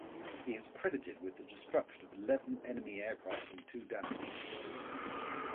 He is credited with the destruction of eleven enemy aircraft and two damaged.